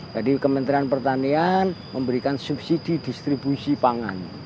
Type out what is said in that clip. jadi kementerian pertanian memberikan subsidi distribusi pangan